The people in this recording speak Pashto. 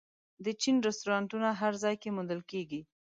د چین رستورانتونه هر ځای کې موندل کېږي.